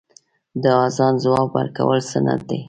د اذان ځواب ورکول سنت دی .